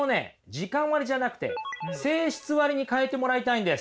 時間割じゃなくて性質割に変えてもらいたいんです。